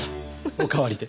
お代わりで。